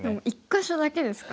１か所だけですか。